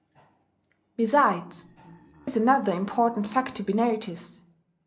Besides, there is another important fact to be noticed.